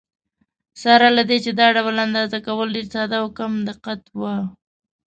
سره له دې چې دا ډول اندازه کول ډېر ساده او کم دقت و.